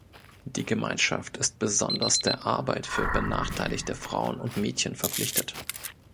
Die Gemeinschaft ist besonders der Arbeit für benachteiligte Frauen und Mädchen verpflichtet.